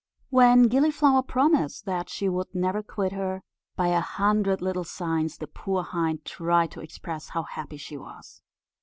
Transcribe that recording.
When Gilliflower promised that she would never quit her, by a hundred little signs the poor hind tried to express how happy she was.